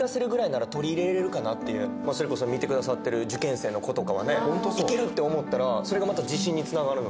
それこそ見てくださってる受験生の子とかはねいけるって思ったらそれが自信につながるので。